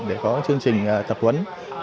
để có chương trình tập huấn